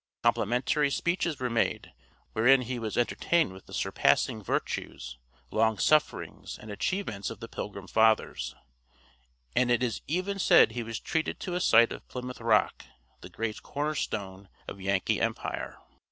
Complimentary speeches were made him, wherein he was entertained with the surpassing virtues, long sufferings, and achievements of the Pilgrim Fathers; and it is even said he was treated to a sight of Plymouth Rock, that great corner stone of Yankee empire.